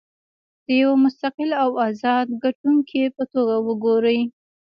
د یوه مستقل او ازاد کتونکي په توګه وګورئ.